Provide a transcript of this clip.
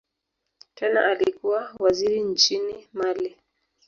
Tena alikuwa waziri nchini Mali.